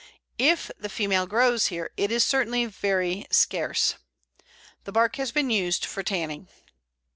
If the female grows here, it is certainly very scarce. The bark has been used for tanning.